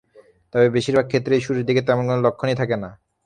তবে বেশির ভাগ ক্ষেত্রেই শুরুর দিকে তেমন কোনো লক্ষণ থাকে না।